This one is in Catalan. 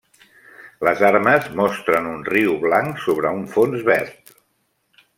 Les armes mostren un riu blanc sobre un fons verd.